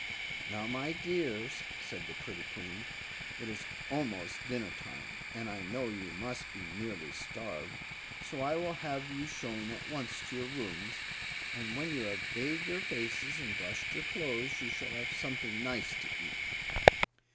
"Now, my dears," said the pretty Queen, "it is almost dinner time, and I know you must be nearly starved; so I will have you shown at once to your rooms, and when you have bathed your faces and brushed your clothes you shall have something nice to eat."